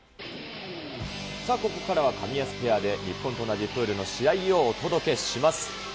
さあ、ここからはカミヤスペアで、日本と同じグループの試合をお届けします。